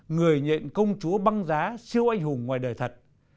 người nhện công chúa băng giá siêu anh hùng ngoài đời thật